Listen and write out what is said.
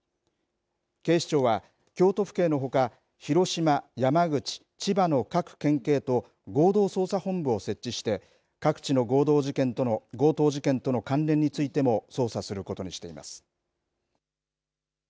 警視庁は、京都府警のほか広島、山口、千葉の各県警と合同捜査本部を設置して各地の強盗事件との関連についても捜査することにしています。